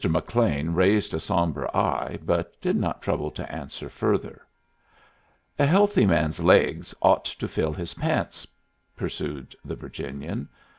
McLean raised a sombre eye, but did not trouble to answer further. "A healthy man's laigs ought to fill his pants," pursued the Virginian.